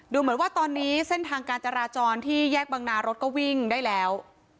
เหมือนว่าตอนนี้เส้นทางการจราจรที่แยกบังนารถก็วิ่งได้แล้ว